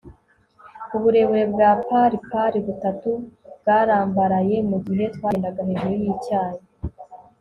uburebure bwa par par butatu bwarambaraye, mugihe twagendaga hejuru yicyayi